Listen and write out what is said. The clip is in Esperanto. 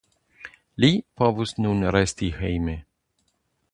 Li povus nun resti hejme.